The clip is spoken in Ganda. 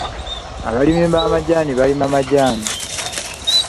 Abalimi b'amajaani balima majaani.